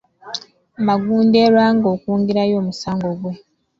Magunda e Lwanga okwongerayo omusango gwe.